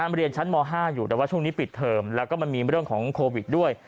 เรียนชั้นม๕อยู่แต่ว่าช่วงนี้ปิดเทอมแล้วก็มันมีเรื่องของโควิดด้วย